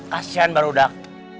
kasian baru dok